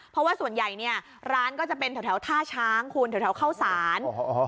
เพราะว่าส่วนใหญ่เนี่ยร้านก็จะเป็นแถวท่าช้างคุณแถวเข้าสาร